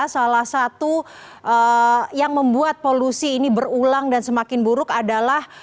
salah satu yang membuat polusi ini berulang dan semakin buruk adalah